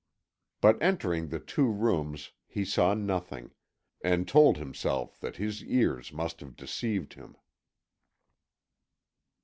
But entering the two rooms he saw nothing, and told himself that his ears must have deceived him.